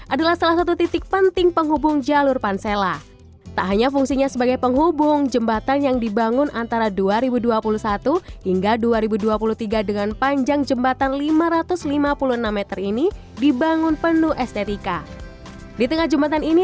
adalah salah satu alasan anda ketika akan mudik pada arus lebaran tahun ini